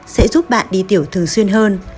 sẽ giúp bạn đi tiểu thường xuyên hơn